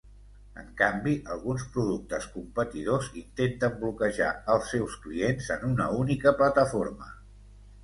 En canvi, alguns productes competidors intenten bloquejar els seus clients en una única plataforma.